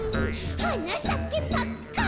「はなさけパッカン」